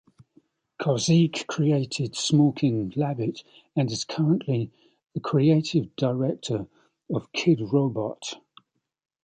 Kozik created Smorkin' Labbit and is currently the Creative Director of Kidrobot.